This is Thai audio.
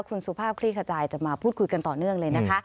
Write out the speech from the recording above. คุณสุภาพคลี่ขจายจะมาพูดคุยกันต่อเนื่องเลยนะคะ